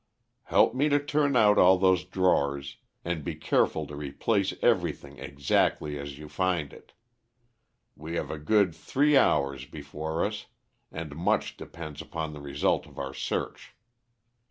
Help me to turn out all those drawers, and be careful to replace everything exactly as you find it. We have a good three hours before us and much depends upon the result of our search.